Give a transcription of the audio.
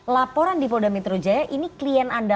laporan di polda metro jaya ini klien anda